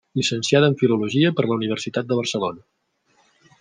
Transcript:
Llicenciada en Filologia per la Universitat de Barcelona.